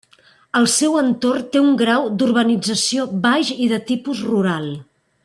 El seu entorn té un grau d'urbanització baix i de tipus rural.